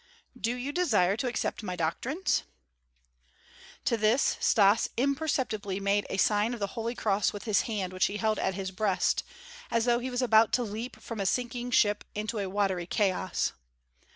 "Do you desire to accept my doctrines?" To this Stas imperceptibly made a sign of the holy cross with his hand which he held at his breast, as though he was about to leap from a sinking ship into a watery chaos.